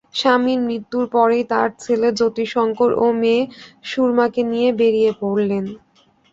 স্বামীর মৃত্যুর পরেই তাঁর ছেলে যতিশংকর ও মেয়ে সুরমাকে নিয়ে বেরিয়ে পড়লেন।